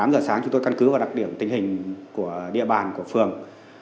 tám giờ sáng chúng tôi căn cứ vào đặc điểm tình hình của địa bàn của phường